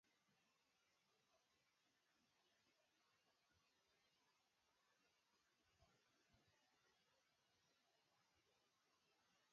Matrix polynomials are important for example for computing the Matrix Exponential.